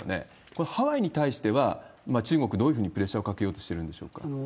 これ、ハワイに対しては中国、どういうふうにプレッシャーをかけようとしてるんでしょうか？